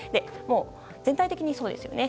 全体的にそうですよね。